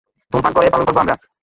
ধুমধাম করে পালন করবো আমরা!